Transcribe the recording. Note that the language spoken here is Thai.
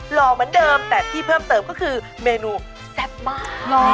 หล่อเหมือนเดิมแต่ที่เพิ่มเติมก็คือเมนูแซ่บมาก